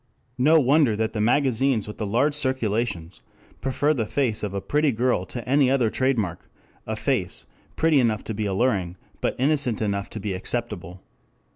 No wonder that the magazines with the large circulations prefer the face of a pretty girl to any other trade mark, a face, pretty enough to be alluring, but innocent enough to be acceptable.